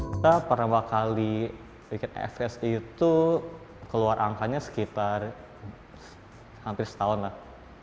kita pertama kali bikin fs itu keluar angkanya sekitar hampir setahun lah